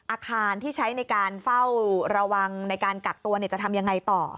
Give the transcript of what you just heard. อาคารที่ใช้ในการเฝ้าระวังในการกักตัวจะทำยังไงต่อ